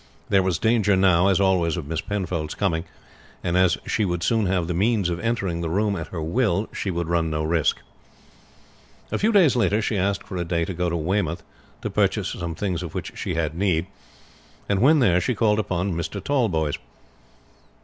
There was danger now as always of Miss Penfold's coming, and as she would soon have the means of entering the room at her will she would run no risk. A few days later she asked for a day to go to Weymouth to purchase some things of which she had need, and when there she called upon Mr. Tallboys.